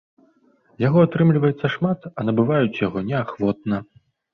Яго атрымліваецца шмат, а набываюць яго неахвотна.